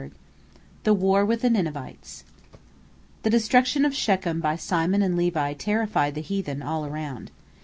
THE WAR WITH THE NINEVITES The destruction of Shechem by Simon and Levi terrified the heathen all around.